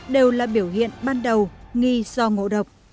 đều là biểu hiện ban đầu nghi do ngộ độc